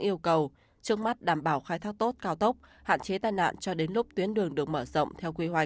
yêu cầu trước mắt đảm bảo khai thác tốt cao tốc hạn chế tai nạn cho đến lúc tuyến đường được mở rộng theo quy hoạch